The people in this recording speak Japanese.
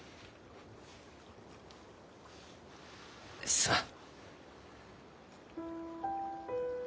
すまん。